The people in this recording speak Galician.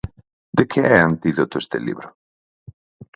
De que é antídoto este libro?